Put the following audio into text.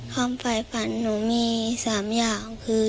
ความฝ่ายฝันหนูมี๓อย่างคือ